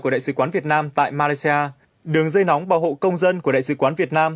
của đại sứ quán việt nam tại malaysia đường dây nóng bảo hộ công dân của đại sứ quán việt nam